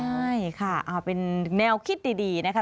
ใช่ค่ะเป็นแนวคิดดีนะคะ